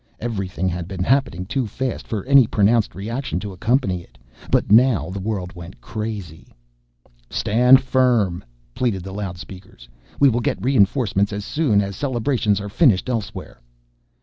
Everything had been happening too fast for any pronounced reaction to accompany it; but now the world went crazy. "Stand firm!" pleaded the loudspeakers. "We will get reinforcements as soon as celebrations are finished elsewhere."